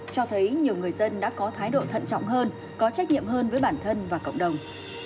cho thấy nhiều người dân đã có thái độ thận trọng hơn có trách nhiệm hơn với bản thân và cộng đồng